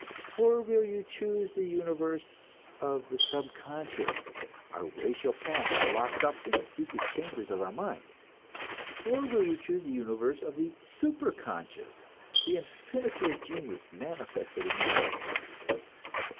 Or will you choose the universe of the subconscious, our racial past locked up in the secret chambers of our mind? Or will you choose the universe of the superconscious, the infinity of genius manifested in the arts?